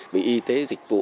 về y tế dịch vụ